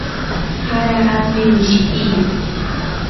hara api mishkillam.